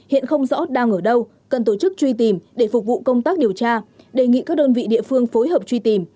hiện không rõ đang ở đâu cần tổ chức truy tìm để phục vụ công tác điều tra đề nghị các đơn vị địa phương phối hợp truy tìm